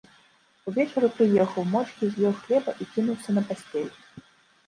Увечары прыехаў, моўчкі з'еў хлеба і кінуўся на пасцель.